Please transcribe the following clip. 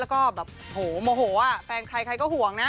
แล้วก็แบบโหโมโหแฟนใครใครก็ห่วงนะ